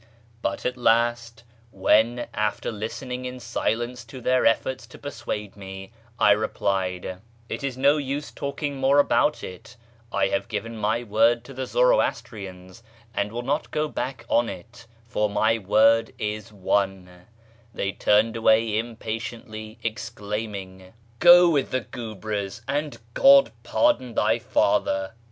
But at last, when, after listening in silence to their efforts to persuade me, I replied, " It is no use talking more about it ; I have given my word to the Zoroastrians, and will not go back on it, for my word is one," — they turned away impatiently, exclaiming, " Go with the guebres, and God par don thy father